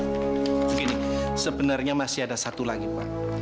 begini sebenarnya masih ada satu lagi pak